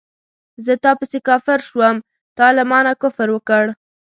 زه تا پسې کافر شوم تا له مانه کفر وکړ